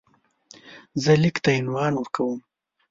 زه لیک ته عنوان ورکوم.